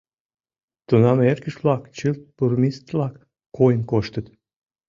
Тунам эргыж-влак чылт бурмистрлак койын коштыт.